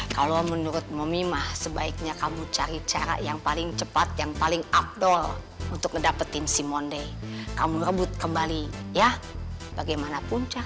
kalau misalnya kita lanjut terus anak anak gimana tuh